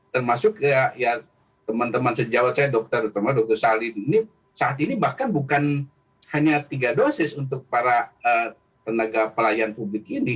termasuk teman teman sejauh saya dokter terutama dokter salim ini saat ini bahkan bukan hanya tiga dosis untuk para tenaga pelayan publik ini